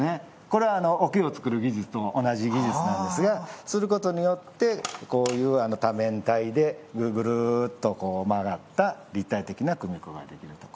これは桶を作る技術と同じ技術なんですがすることによってこういう多面体でぐるぐるっとこう曲がった立体的な組子ができると。